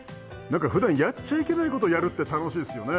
「普段やっちゃいけないことやるって楽しいですよね」